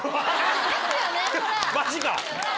マジか！